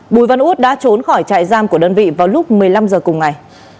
bùi văn út đã trốn khỏi trại giam của đơn vị vào lúc một mươi năm h cùng ngày